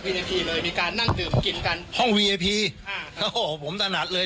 เอีพีเลยมีการนั่งดื่มกินกันห้องวีไอพีอ่าโอ้โหผมถนัดเลย